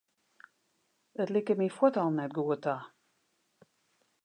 It like my fuort al net goed ta.